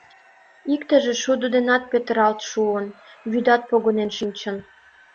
Иктыже шудо денат петыралт шуын, вӱдат погынен шинчын.